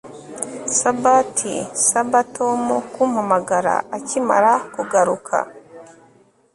Saba T Saba Tom kumpamagara akimara kugaruka